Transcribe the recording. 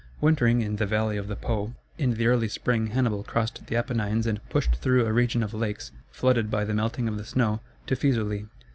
Wintering in the valley of the Po, in the early spring Hannibal crossed the Apennines and pushed through a region of lakes, flooded by the melting of the snow, to Fæsulæ.